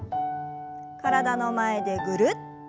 体の前でぐるっと。